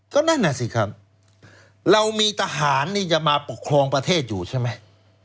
ก็นั่นน่ะสิครับเรามีทหารนี่จะมาปกครองประเทศอยู่ใช่ไหม